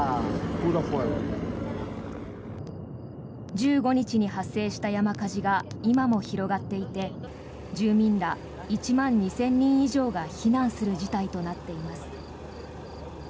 １５日に発生した山火事が今も広がっていて住民ら１万２０００人以上が避難する事態となっています。